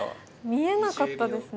見えなかったですね